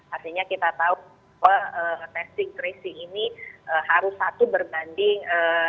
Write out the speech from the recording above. artinya kita tahu testing tracing ini harus satu berbanding